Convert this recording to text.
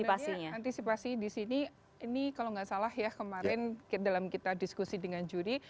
antisipasi di sini ini kalau nggak salah ya kemarin dalam kita diskusi dengan juri